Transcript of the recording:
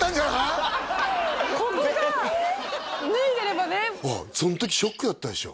脱いでればねその時ショックだったでしょ？